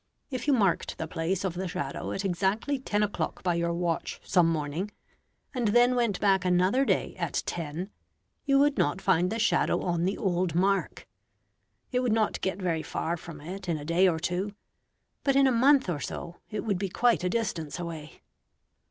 If you marked the place of the shadow at exactly ten o'clock by your watch some morning, and then went back another day at ten, you would not find the shadow on the old mark. It would not get very far from it in a day or two, but in a month or so it would be quite a distance away.